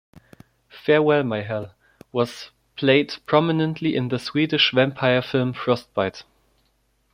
"Farewell My Hell" was played prominently in the Swedish vampire film Frostbite.